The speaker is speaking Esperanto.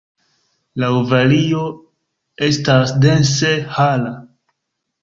La ovario estas dense hara.